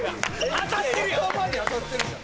当たってるやん！